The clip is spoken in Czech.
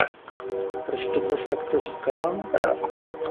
Proč to dnes takto říkám?